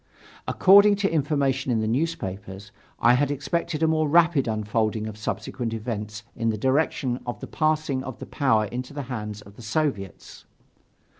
According to information in the newspapers, I had expected a more rapid unfolding of subsequent events in the direction of the passing of the power into the hands of the Soviets.